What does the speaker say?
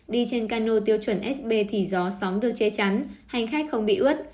đi trên cano tiêu chuẩn sb thì gió sóng được che chắn hành khách không bị ướt